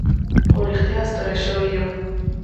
خو رښتیا ستړی شوی یم.